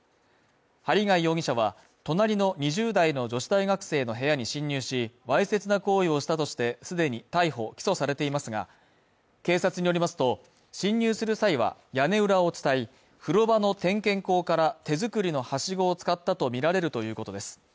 針谷容疑者は、隣の２０代の女子大学生の部屋に侵入し、わいせつな行為をしたとして既に逮捕起訴されていますが、警察によりますと、侵入する際は、屋根裏を伝い、風呂場の点検口から手作りのはしごを使ったとみられるということです。